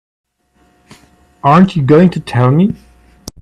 Aren't you going to tell me?